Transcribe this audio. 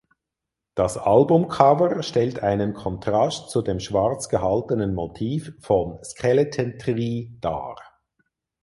Das Albumcover stellt einen Kontrast zu dem schwarz gehaltenen Motiv von "Skeleton Tree" dar.